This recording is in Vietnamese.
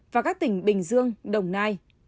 và các tỉnh bình dương đồng nai